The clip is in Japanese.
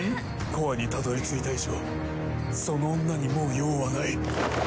コアにたどりついた以上その女にもう用はない。